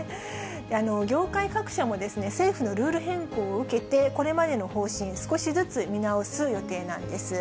業界各社も政府のルール変更を受けて、これまでの方針、少しずつ見直す予定なんです。